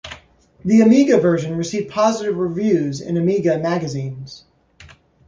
The Amiga version received positive reviews in Amiga magazines.